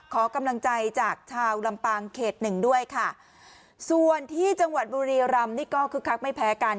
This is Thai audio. ขอกำลังใจจากชาวลำปางเขตหนึ่งด้วยค่ะส่วนที่จังหวัดบุรีรำนี่ก็คึกคักไม่แพ้กัน